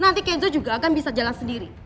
nanti kenzo juga akan bisa jalan sendiri